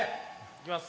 行きます。